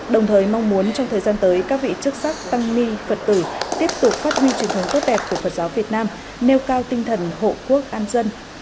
đồng thời mong muốn trong thời gian tới các vị chức sắc tăng ni phật tử tiếp tục phát huy truyền thống tốt đẹp của phật giáo việt nam nêu cao tinh thần hộ quốc an dân